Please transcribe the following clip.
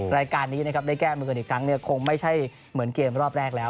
รายการนี้ได้แก้มกันอีกครั้งคงไม่ใช่เหมือนเกมรอบแรกแล้ว